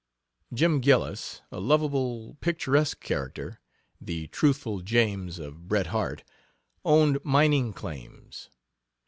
Jim Gillis, a lovable, picturesque character (the Truthful James of Bret Harte), owned mining claims.